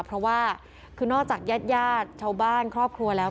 เพราะว่าคือนอกจากญาติญาติชาวบ้านครอบครัวแล้ว